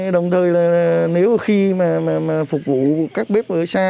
đồng thời là nếu mà khi mà phục vụ các bếp ở xa